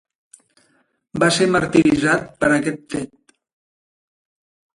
Va ser martiritzat per aquest fet.